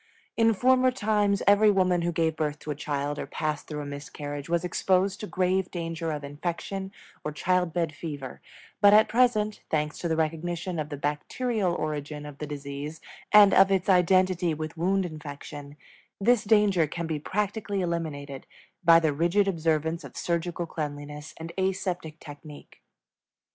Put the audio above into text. In former times every woman who gave birth to a child or passed through a miscarriage was exposed to grave danger of infection or child bed fever; but at present thanks to the recognition of the bacterial origin of the disease and of its identity with wound infection this danger can be practically eliminated by the rigid observance of surgical cleanliness and aseptic technique.